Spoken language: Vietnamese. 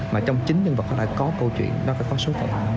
mà trong chính nhân vật nó đã có câu chuyện nó phải có số phận